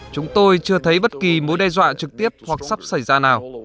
chúng tôi chưa thấy bất kỳ mối đe dọa trực tiếp hoặc sắp xảy ra nào